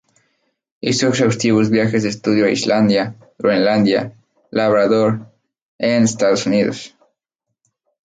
Hizo exhaustivos viajes de estudio a Islandia, Groenlandia, Labrador and Estados Unidos.